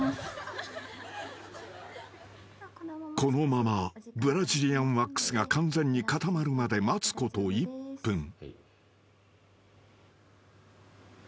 ［このままブラジリアンワックスが完全に固まるまで待つこと１分］